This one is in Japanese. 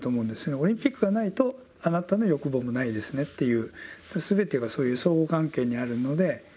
オリンピックがないとあなたの欲望もないですねっていうすべてがそういう相互関係にあるので。